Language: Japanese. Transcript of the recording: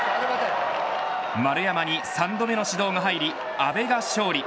丸山に３度目の指導が入り阿部が勝利。